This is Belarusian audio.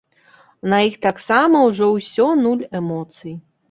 На іх таксама ўжо ўсе нуль эмоцый.